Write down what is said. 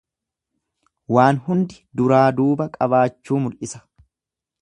Waan hundi duraa duuba qabaachuu mul'isa.